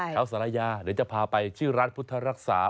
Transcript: เขาสรรยาหรือจะพาไปชื่อร้านพุทธรักษา